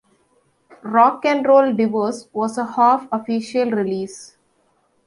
"Rock and Roll Divorce" was a half-official release.